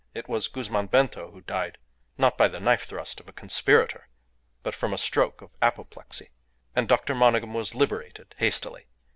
It was Guzman Bento who died, not by the knife thrust of a conspirator, but from a stroke of apoplexy, and Dr. Monygham was liberated hastily.